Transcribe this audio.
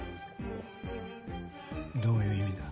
どういう意味だ？